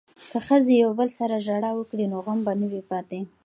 که ښځې یو بل سره ژړا وکړي نو غم به نه وي پاتې.